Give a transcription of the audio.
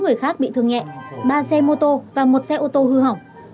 sáu người khác bị thương nhẹ ba xe mô tô và một xe ô tô hư hỏng